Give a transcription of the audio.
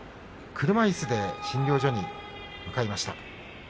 車いすで診療所に向かいました。